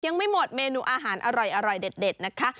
ยังไม่หมดเมนูอาหารอร่อยเด็ดนะคะ